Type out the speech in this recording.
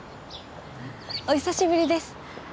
お久しぶりです。